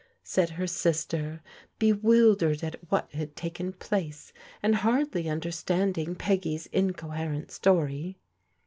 " said her sis ter, bewildered at what had taken place, and hardly un derstanding Peggy's incoherent story.